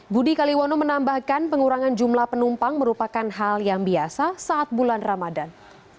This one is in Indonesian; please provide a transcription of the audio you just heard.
budi kaliwono menambahkan pengurangan jumlah penumpang merupakan hal yang biasa saat bulan ramadan